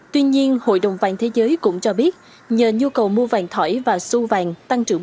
tuy nhiên hội đồng vàng thế giới cũng cho biết nhờ nhu cầu mua vàng thỏi và su vàng tăng trưởng